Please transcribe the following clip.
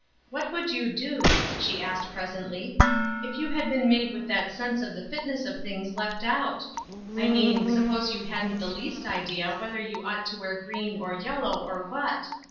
" What would you do," she asked presently, " if you had been made with that sense of the fitness of things left out ? I mean, suppose you hadn't the least idea whether you ought to wear green, or yellow, or what.